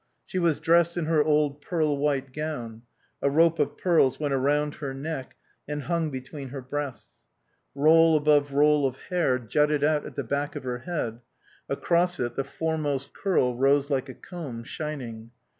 She was dressed in her old pearl white gown. A rope of pearls went round her neck and hung between her breasts. Roll above roll of hair jutted out at the back of her head; across it, the foremost curl rose like a comb, shining.